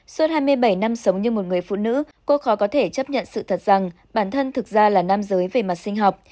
suốt hai mươi bảy năm sống như một người phụ nữ cô khó có thể chấp nhận sự thật rằng bản thân thực ra là nam giới về mặt sinh học